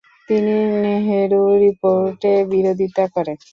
তিনি নেহেরু রিপোর্টের বিরোধিতা করে।